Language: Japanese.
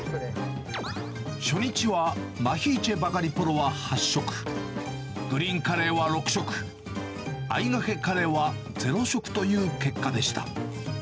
初日は、マヒーチェ＆バガリポロは８食、グリーンカレーは６食、あいがけカレーは０食という結果でした。